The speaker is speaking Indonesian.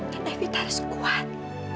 dan evita harus kuat